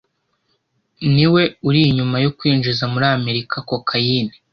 niwe uri inyuma yo kwinjiza muri Amerika Cocaine